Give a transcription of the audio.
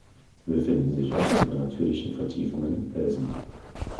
Sie befinden sich oft über natürlichen Vertiefungen im Felsen.